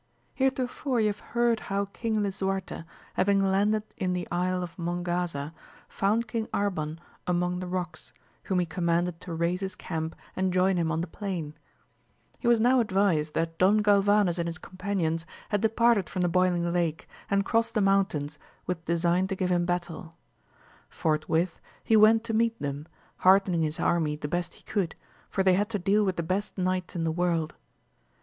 ^EEETOFOKE you have heard how King Lisuarte, having landed in the Isle of Mongaza, found King Arban among the rocks, whom he commanded to raise his camp and join him on the plain. He was now advised that Don Galvanes and his companions had departed from the Boiling Lake, and crossed the mountains, with design to give him battles Forthwith he went to meet them, heartening his army the best he could, for they had to deal with the best knights in the world.